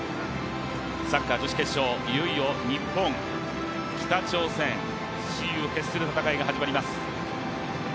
サッカー女子決勝、いよいよ日本×北朝鮮、雌雄決する戦いが始まります。